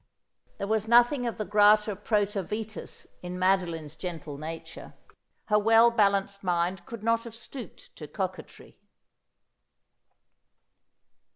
There was nothing of the grata protercitas in Madoline's gentle nature. Her well balanced mind could not have stooped to coquetry.